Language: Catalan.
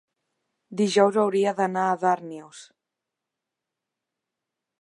dijous hauria d'anar a Darnius.